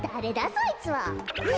そいつは。え！？